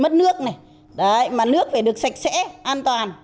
mất nước này mà nước phải được sạch sẽ an toàn